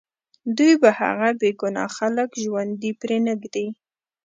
دوی به هغه بې ګناه خلک ژوندي پرېنږدي